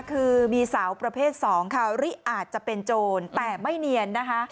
คือมีสาวประเภท๒ค่ะหรืออาจจะเป็นโจรแต่ไม่เนียนนะคะ